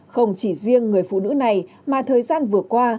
không chỉ riêng người phụ nữ này mà thời gian vừa qua